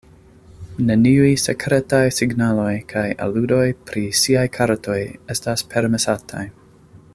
Neniuj sekretaj signaloj kaj aludoj pri siaj kartoj estas permesataj.